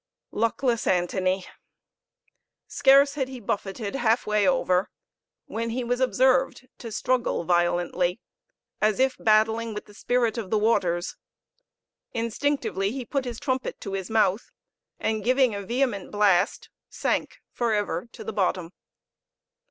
Luckless Antony! scarce had he buffeted half way over when he was observed to struggle violently, as if battling with the spirit of the waters. Instinctively he put his trumpet to his mouth, and giving a vehement blast sank for ever to the bottom.